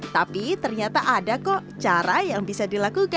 tapi ternyata ada kok cara yang bisa dilakukan